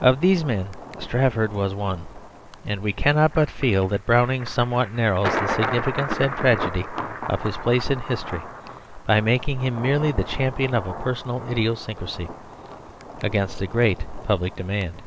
Of these men Strafford was one, and we cannot but feel that Browning somewhat narrows the significance and tragedy of his place in history by making him merely the champion of a personal idiosyncrasy against a great public demand.